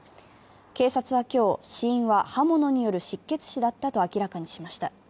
警察は今日、死因は刃物による失血死だったと明らかにしました。